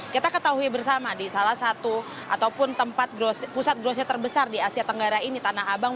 kita ketahui bersama di salah satu ataupun tempat pusat grossnya terbesar di asia tenggara ini tanah abang